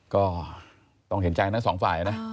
ก็ต้องเห็นใจทั้งสองฝ่ายนะ